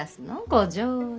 ご冗談。